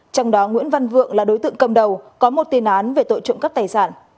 trong đó nguyễn văn vượng là đối tượng cầm đầu có một tin án về tội trụng cấp tài sản